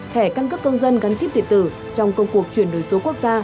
thẻ căn cước công dân gắn chip điện tử trong công cuộc chuyển đổi số quốc gia